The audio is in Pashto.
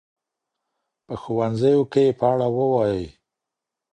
په ښوونځیو کي یې په اړه ووایئ.